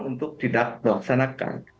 untuk tidak melaksanakan